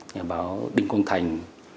nhà báo đinh quang thành